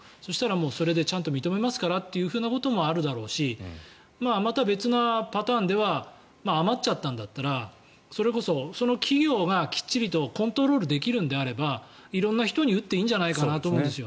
それでちゃんと認めますからということもあるだろうしまた別なパターンでは余っちゃったんだったらそれこそ、その企業がきっちりとコントロールできるのであれば色んな人に打っていいんじゃないかと。